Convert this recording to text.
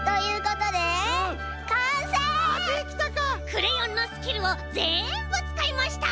クレヨンのスキルをぜんぶつかいました！